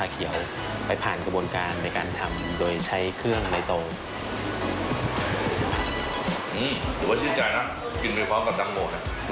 กินไปพร้อมกับจังหมดน่ะปรุงสาธิดีเลย